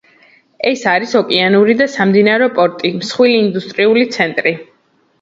ეს არის ოკეანური და სამდინარო პორტი, მსხვილი ინდუსტრიული ცენტრი.